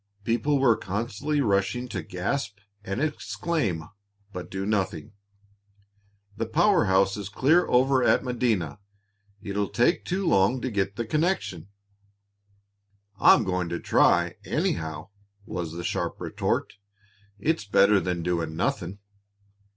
People were constantly rushing up to gasp and exclaim, but do nothing. "The power house is clear over at Medina. It'll take too long to get the connection." "I'm going to try, anyhow," was the sharp retort. "It's better than doing nothing."